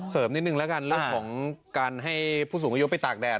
นิดนึงแล้วกันเรื่องของการให้ผู้สูงอายุไปตากแดด